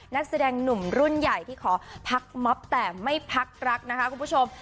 นักแสดงหนุ่มรุ่นใหญ่ที่ขอพักม็อบแต่ไม่พักรักนะคะคุณผู้ชม